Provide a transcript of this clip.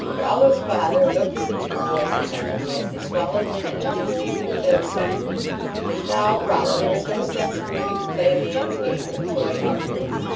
Rollo s father looked at the two boys at tentively as they swallowed their noises, and then said : "Now, Rollo, there is no sense in learning to play a man s game with a toy outfit.